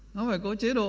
nó phải có chế độ